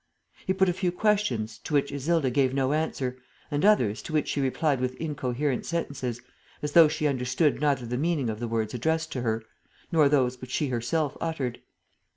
He put a few questions to which Isilda gave no answer and others to which she replied with incoherent sentences, as though she understood neither the meaning of the words addressed to her nor those which she herself uttered.